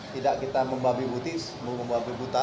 tidak kita membabi butis membabi buta